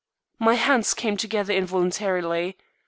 My hands came together involuntarily.